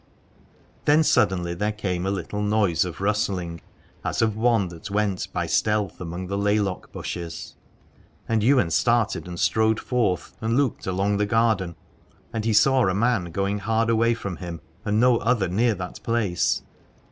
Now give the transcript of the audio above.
Then suddenly there came a little noise of rustling, as of one that went by stealth among the laylock bushes. And Ywain started and strode forth and looked along the garden : and he saw a man going hard away from him, and no other near that place.